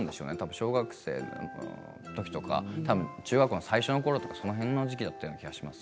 小学生のときとか中学校の最初のころとかその辺の時期だと思います。